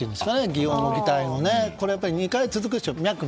擬音の擬態のね、２回続くでしょ。